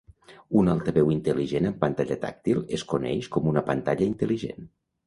Un altaveu intel·ligent amb pantalla tàctil es coneix com una pantalla intel·ligent.